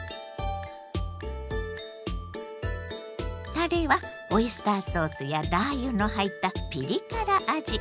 たれはオイスターソースやラー油の入ったピリ辛味。